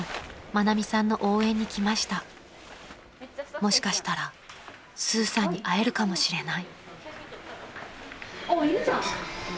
［もしかしたらスーさんに会えるかもしれない］